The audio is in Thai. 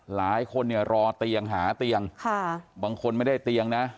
หลายคนเนี่ยรอเตียงหาเตียงบางคนไม่ได้เตียงนะ